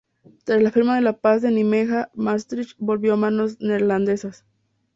Tras la firma de la Paz de Nimega, Maastricht volvió a manos neerlandesas.